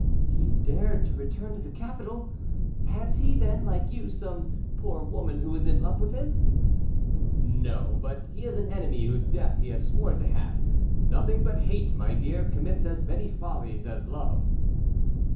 "He dared to return to the capital? Has he, then, like you, some poor woman who is in love with him?" "No, but he has an enemy whose death he has sworn to have. Nothing but hate, my dear, commits as many follies as love."